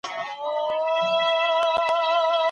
هيڅ قوت نسي کولای چي مطمئن قشر وپاروي.